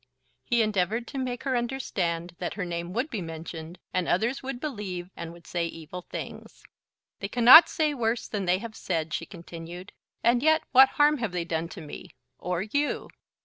He endeavoured to make her understand that her name would be mentioned, and others would believe and would say evil things. "They cannot say worse than they have said," she continued. "And yet what harm have they done to me, or you?"